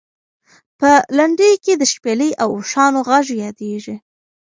په لنډیو کې د شپېلۍ او اوښانو غږ یادېږي.